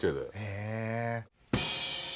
へえ。